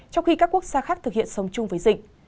trong khi các quốc gia khác thực hiện sống chung với dịch